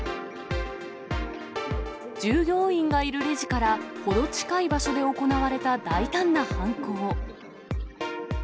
従業員がいるレジから程近い場所で行われた大胆な犯行。